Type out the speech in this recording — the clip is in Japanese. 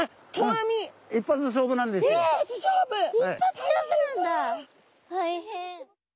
大変。